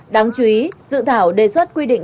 đáng chú ý dự thảo đề xuất quy định